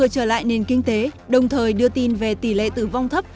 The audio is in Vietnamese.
trở lại nền kinh tế đồng thời đưa tin về tỷ lệ tử vong thấp